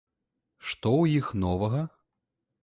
Што ў іх новага?